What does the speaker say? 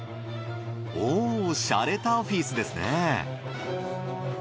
おぉしゃれたオフィスですね。